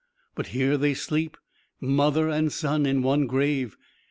But here they sleep mother and son in one grave.